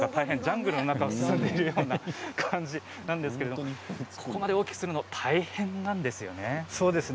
ジャングルの中を行ってるような感じなんですけれどもここまで大きくするの大変なんですよね。